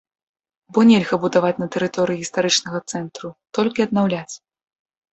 Бо нельга будаваць на тэрыторыі гістарычнага цэнтру, толькі аднаўляць.